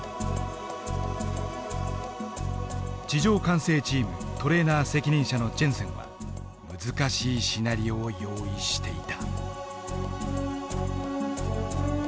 地上管制チームトレーナー責任者のジェンセンは難しいシナリオを用意していた。